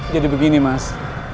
jadi begini mas